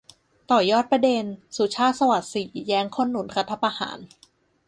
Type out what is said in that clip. ต่อยอดประเด็น สุชาติ สวัสดิ์ศรี แย้งคนหนุนรัฐประหาร